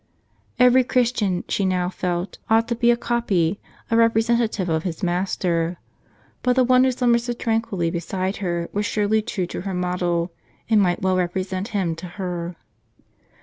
Every Christian, she now felt, ought to be a copy, a representative of his Master ; but the one that slumbered so tranquilly beside her was surely true to her model, and might well represent Him to her.